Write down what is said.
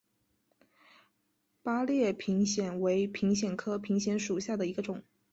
八列平藓为平藓科平藓属下的一个种。